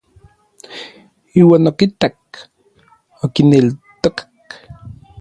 Iuan okitak, okineltokak.